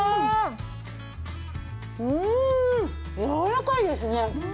やわらかいですね。